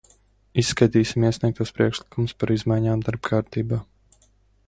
Izskatīsim iesniegtos priekšlikumus par izmaiņām darba kārtībā.